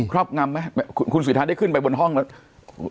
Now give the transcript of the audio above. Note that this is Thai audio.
รอบงำไหมคุณสิทธาได้ขึ้นไปบนห้องแล้ว